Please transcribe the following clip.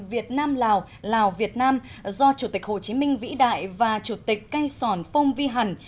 việt nam lào lào việt nam do chủ tịch hồ chí minh vĩ đại và chủ tịch cây sòn phong vi hẳn